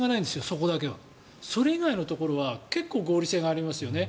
そこだけは。それ以外のところは結構、合理性がありますよね。